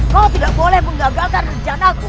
kau tidak boleh mengagalkan rejanaku